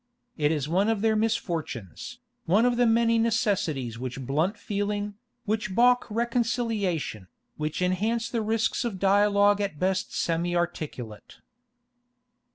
It is one of their misfortunes, one of the many necessities which blunt feeling, which balk reconciliation, which enhance the risks of dialogue at best semi articulate.